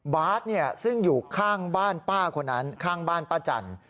บาทซึ่งอยู่ข้างบ้านป้าคนนั้นข้างบ้านป้าจันทร์